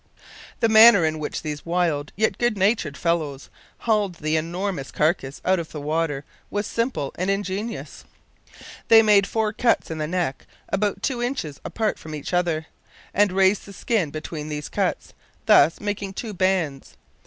The manner in which these wild yet good natured fellows hauled the enormous carcass out of the water was simple and ingenious. They made four cuts in the neck, about two inches apart from each other, and raised the skin between these cuts, thus making two bands.